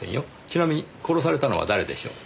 ちなみに殺されたのは誰でしょう？